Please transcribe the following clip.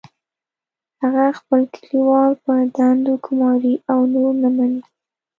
هغه خپل کلیوال په دندو ګماري او نور نه مني